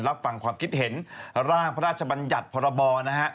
รับฟังความคิดเห็นร่างพระราชบัญญัติพรบนะฮะ